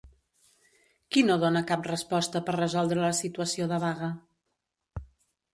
Qui no dona cap resposta per resoldre la situació de vaga?